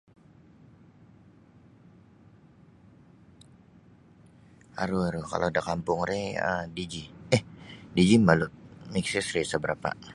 Aru aru kalau da kampung ri um digi um digi mabalut maxis rih isa barapa.